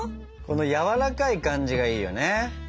このやわらかい感じがいいよね。